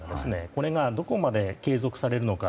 これがどこまで継続されるのか。